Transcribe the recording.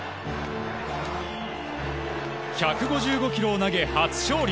１５５キロを投げ、初勝利。